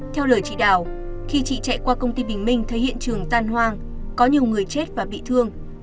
theo lời chị đào khi chị chạy qua công ty bình minh thấy hiện trường tan hoang có nhiều người chết và bị thương